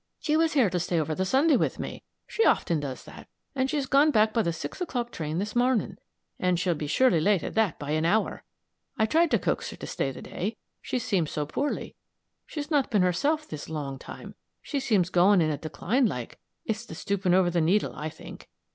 She was here to stay over the Sunday with me she often does that; and she's gone back by the six o'clock train this mornin' and she'll be surely late at that by an hour. I tried to coax her to stay the day, she seemed so poorly. She's not been herself this long time she seems goin' in a decline like it's the stooping over the needle, I think.